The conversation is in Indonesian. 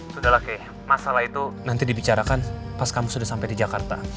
sudahlah kay masalah itu nanti dibicarakan pas kamu sudah sampai di jakarta